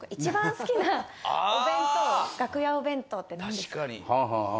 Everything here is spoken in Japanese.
楽屋お弁当って何ですか？